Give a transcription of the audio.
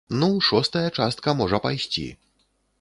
Ну, шостая частка можа пайсці.